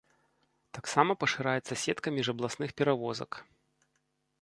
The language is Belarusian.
Таксама пашыраецца сетка міжабласных перавозак.